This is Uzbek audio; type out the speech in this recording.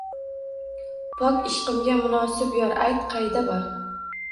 Pok ishqimga munosib yor, ayt, qayda bor?!